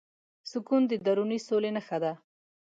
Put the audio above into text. سکون د دروني سولې نښه ده.